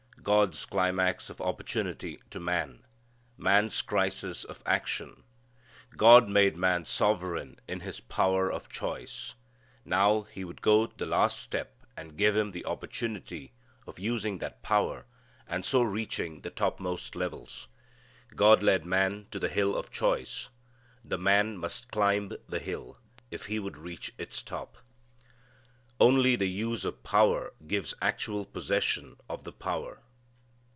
God's climax of opportunity to man. Man's crisis of action. God made man sovereign in his power of choice. Now He would go the last step and give him the opportunity of using that power and so reaching the topmost levels. God led man to the hill of choice. The man must climb the hill if he would reach its top. Only the use of power gives actual possession of the power.